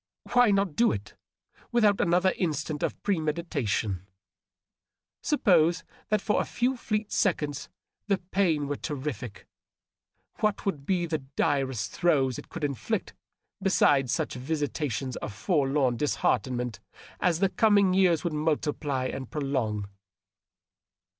Why not do it, without another instant of premeditation ? Suppose that for a few fleet seconds the pain were terrific; what would be the direst throes it could inflict beside such visitations of forlorn disheartenment as the coming years would multiply and prolong?